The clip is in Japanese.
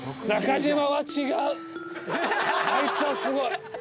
あいつはすごい！